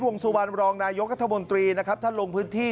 วงสุบันรองนายกเศรษฐมนตรีท่านลงพื้นที่